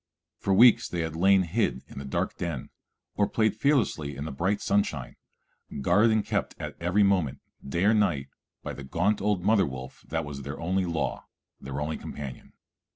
For weeks they had lain hid in the dark den, or played fearlessly in the bright sunshine, guarded and kept at every moment, day or night, by the gaunt old mother wolf that was their only law, their only companion.